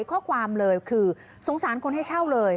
ข้อความเลยคือสงสารคนให้เช่าเลย